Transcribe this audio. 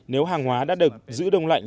nếu hàng hóa đã được giữ đông lạnh